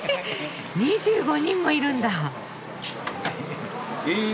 ２５人もいるんだ！